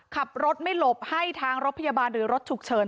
ขับรถไม่หลบให้ทางรถพยาบาลหรือรถฉุกเฉิน